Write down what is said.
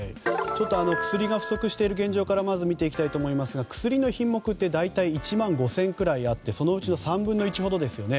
薬が不足している現状から見ていきたいと思いますが薬の品目って大体１万５０００くらいあってそのうちの３分の１ほどですね。